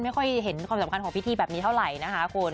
ไม่ค่อยเห็นความสำคัญของพิธีแบบนี้เท่าไหร่นะคะคุณ